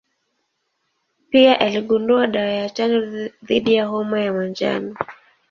Pia aligundua dawa ya chanjo dhidi ya homa ya manjano.